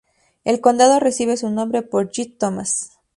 El condado recibe su nombre por Jett Thomas.